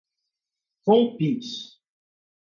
compiz